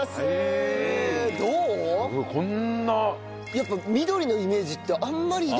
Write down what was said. やっぱ緑のイメージってあんまりね。